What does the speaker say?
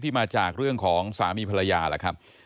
มาจากเรื่องของสามีภรรยาล่ะครับ